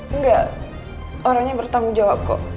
enggak orangnya bertanggung jawab kok